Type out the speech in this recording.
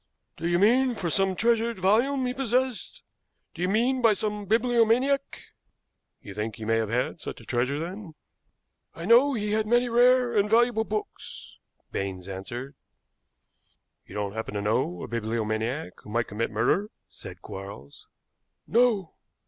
"Do you mean for some treasured volume he possessed? Do you mean by some bibliomaniac?" "You think he may have had such a treasure, then?" "I know he had many rare and valuable books," Baines answered. "You don't happen to know a bibliomaniac who might commit murder?" said Quarles. "No."